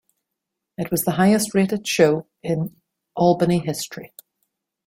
It was the highest rated show in Albany history.